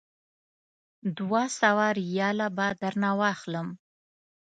دوه سوه ریاله به درنه واخلم.